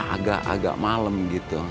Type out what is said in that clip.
jadi ya agak malem gitu